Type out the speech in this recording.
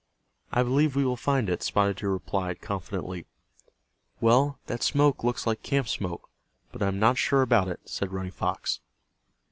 "I believe we will find it," Spotted Deer replied, confidently. "Well, that smoke looks like camp smoke, but I am not sure about it," said Running Fox.